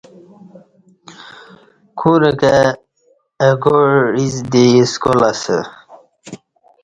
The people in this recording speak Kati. کورہ کں اہ گاع عِڅ دی سکال اسہ